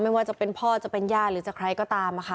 ไม่ว่าจะเป็นพ่อจะเป็นญาติหรือจะใครก็ตามค่ะ